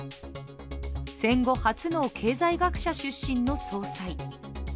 戦後初の経済学者出身の総裁。